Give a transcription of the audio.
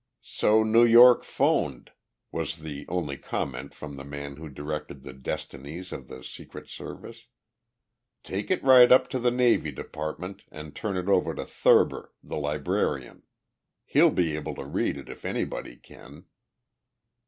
"So New York phoned," was the only comment from the man who directed the destinies of the Secret Service. "Take it right up to the Navy Department and turn it over to Thurber, the librarian. He'll be able to read it, if anybody can."